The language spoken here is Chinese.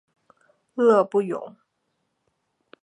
勒布永。